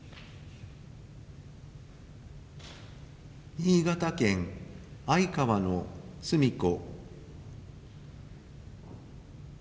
新潟県相川の澄子